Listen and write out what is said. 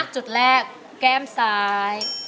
จุดแรกแก้มซ้าย